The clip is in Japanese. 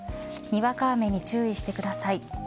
にわか雨に注意してください。